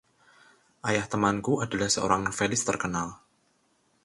Ayah temanku adalah seorang novelis terkenal.